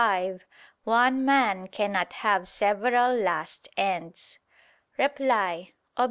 5), one man cannot have several last ends. Reply Obj.